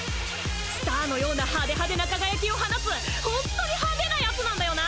スターのような派手派手な輝きを放つホントに「派手」なヤツなんだよな